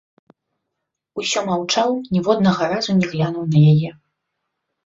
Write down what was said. Усё маўчаў, ніводнага разу не глянуў на яе.